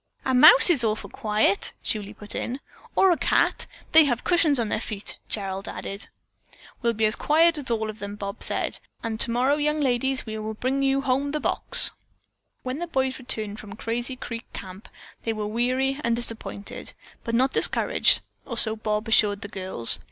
"A mouse is awful quiet," Julie put in. "Or a cat. They have cushions on their feet," Gerald added. "We'll be as quiet as all of them," Bob said, "and tomorrow, young ladies, we are going to bring home the box." When the boys returned from Crazy Creek Camp they were weary and disappointed, but not discouraged, or so Bob assured the girls.